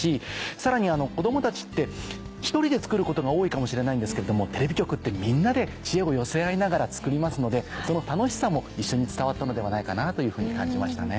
さらに子供たちって１人で作ることが多いかもしれないですけれどもテレビ局ってみんなで知恵を寄せ合いながら作りますのでその楽しさも一緒に伝わったのではないかなというふうに感じましたね。